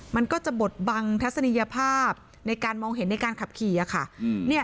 มันก็จะบดบังทัศนียภาพในการยิ่งแม่งขับขี่